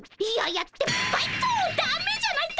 だめじゃないか！